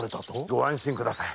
ご安心ください。